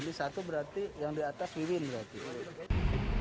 ini satu berarti yang di atas wawon berarti